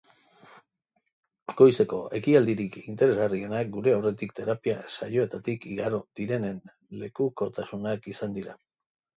Goizeko ekitaldirik interesgarrienak gure aurretik terapia saioetatik igaro direnen lekukotasunak izan dira.